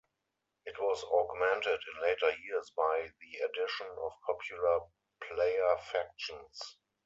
It was augmented in later years by the addition of popular player factions.